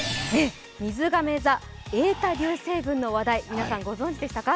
みずがめ座η流星群の話題、皆さん、ご存じでしたか？